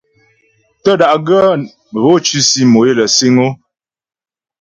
Tə́ da'gaə́ gho tʉsì mò é lə siŋ o.